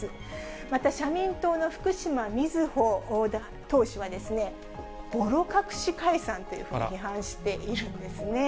また社民党の福島瑞穂党首は、ぼろ隠し解散というふうに批判しているんですね。